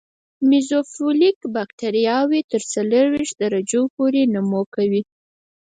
میزوفیلیک بکټریاوې تر څلوېښت درجو پورې نمو کوي.